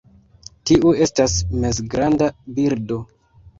Tiu estas mezgranda birdo.